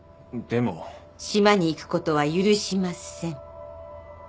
島に行くことは許しません。